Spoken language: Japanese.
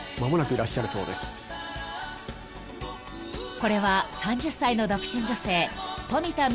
［これは３０歳の独身女性富田望